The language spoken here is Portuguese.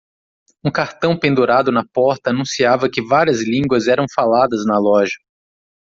Um cartão pendurado na porta anunciava que várias línguas eram faladas na loja.